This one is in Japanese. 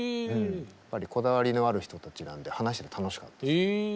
やっぱりこだわりのある人たちなんで話してて楽しかったです。